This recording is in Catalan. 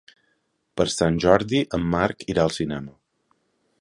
Per Sant Jordi en Marc irà al cinema.